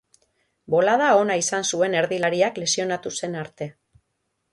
Bolada ona izan zuen erdilariak lesionatu zen arte.